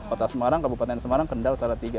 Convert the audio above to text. kota semarang kabupaten semarang kendal salah tiga